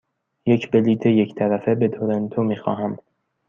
یک بلیط یک طرفه به تورنتو می خواهم.